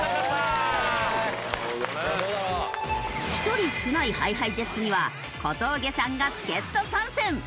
１人少ないＨｉＨｉＪｅｔｓには小峠さんが助っ人参戦！